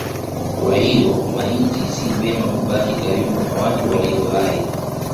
Kwa hiyo maiti si vema kubaki karibu na watu walio hai.